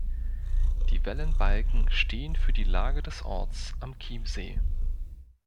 Die Wellenbalken stehen für die Lage des Orts am Chiemsee.